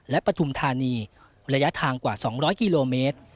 และปฐุมธานีระยะทางกว่า๒๐๐กิโลเมตร